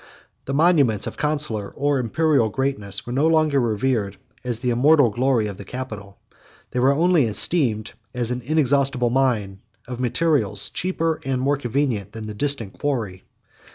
The monuments of consular, or Imperial, greatness were no longer revered, as the immortal glory of the capital: they were only esteemed as an inexhaustible mine of materials, cheaper, and more convenient than the distant quarry.